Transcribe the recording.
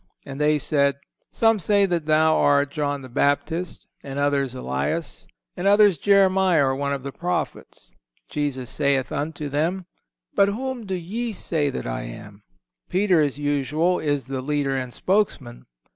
And they said: Some say that Thou art John the Baptist; and others, Elias; and others, Jeremiah, or one of the Prophets. Jesus saith to them: But whom do ye say that I am?" Peter, as usual, is the leader and spokesman.